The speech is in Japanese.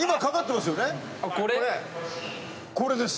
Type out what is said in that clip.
これです。